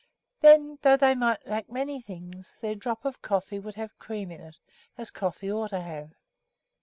Then, though they still might lack many things, their drop of coffee could have cream in it, as coffee ought to have.